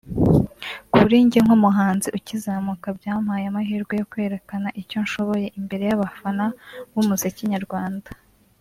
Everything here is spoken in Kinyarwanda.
kuri njye nk’umuhanzi ukizamuka byampaye amahirwe yo kwerekana icyo nshoboye imbere y’abafana b’umuziki nyarwanda